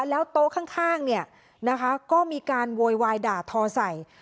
แล้วโต๊ะข้างเนี่ยนะคะก็มีการโวยวายด่าทอใส่